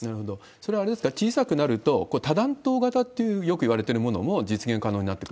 それはあれですか、小さくなると、多弾頭型ってよくいわれているものも実現可能になってくる？